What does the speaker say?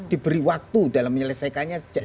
diberi waktu dalam menyelesaikannya seperti apa